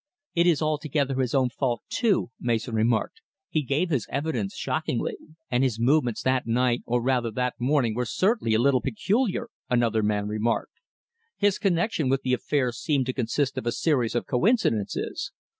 "It is altogether his own fault, too," Mason remarked. "He gave his evidence shockingly." "And his movements that night, or rather that morning, were certainly a little peculiar," another man remarked. "His connection with the affair seemed to consist of a series of coincidences.